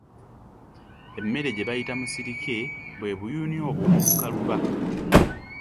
Emmere gye bayita musirike bwe buyuuni obwo obukaluba.